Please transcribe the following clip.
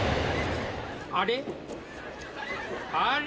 あれ？